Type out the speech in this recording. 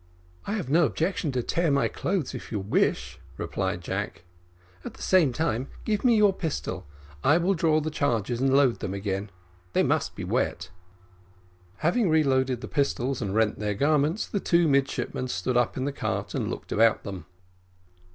"I have no objection to tear my clothes if you wish," replied Jack; "at the same time give me your pistol; I will draw the charges and load them again. They must be wet." Having reloaded the pistols and rent their garments, the two midshipmen stood up in the cart and looked about them.